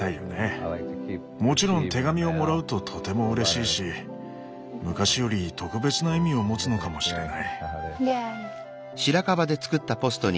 もちろん手紙をもらうととてもうれしいし昔より特別な意味を持つのかもしれない。